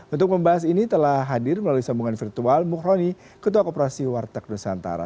untuk membahas ini telah hadir melalui sambungan virtual mukroni ketua koperasi warteg nusantara